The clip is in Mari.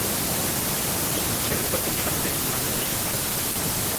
«Ик черпытым шындем», — манеш.